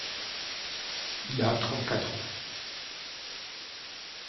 Il a trente quatre ans.